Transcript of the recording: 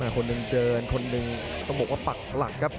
คนหนึ่งเจอกันคนหนึ่งต้องบอกว่าปักหลักครับ